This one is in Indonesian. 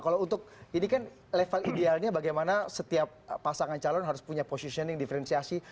kalau untuk ini kan level idealnya bagaimana setiap pasangan calon harus punya positioning diferensiasi